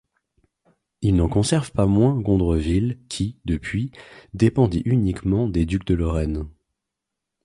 Il n'en conserve pas moins Gondreville, qui, depuis, dépendit uniquement des ducs de Lorraine.